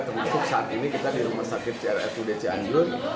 termasuk saat ini kita di rumah sakit rsud cianjur